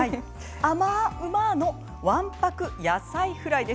甘うまのわんぱく野菜フライ。